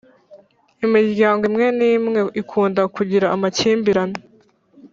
Imiryango imwe nimwe ikunda kugira amakimbirane